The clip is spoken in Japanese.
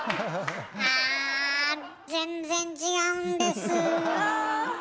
あ全然違うんです。